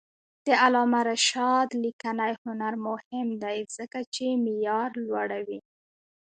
د علامه رشاد لیکنی هنر مهم دی ځکه چې معیار لوړوي.